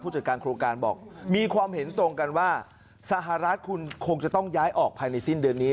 จัดการโครงการบอกมีความเห็นตรงกันว่าสหรัฐคุณคงจะต้องย้ายออกภายในสิ้นเดือนนี้